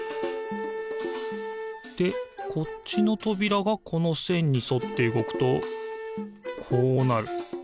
でこっちのとびらがこのせんにそってうごくとこうなる。